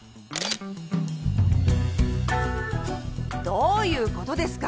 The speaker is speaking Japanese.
どういうことですか？